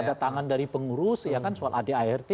tanda tangan dari pengurus ya kan soal adi art